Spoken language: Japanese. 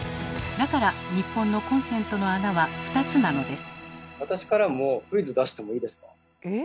だから日本のコンセントの穴は２つなのです。